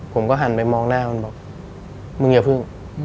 ผมก็หันไปมองหน้ามันบอกมึงอย่าพึ่ง